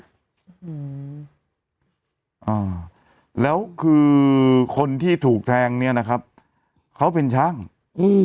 อืมอ่าแล้วคือคนที่ถูกแทงเนี้ยนะครับเขาเป็นช่างอืม